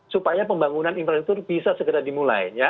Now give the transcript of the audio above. supaya pembangunan infrastruktur bisa segera dimulai